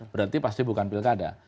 berarti pasti bukan pilkada